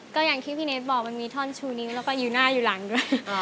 ก็อย่างที่พี่เนสบอกมันมีท่อนชูนิ้วแล้วก็อยู่หน้าอยู่หลังด้วย